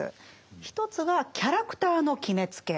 一つが「キャラクターの決めつけ」。